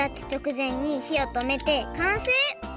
ぜんにひをとめてかんせい！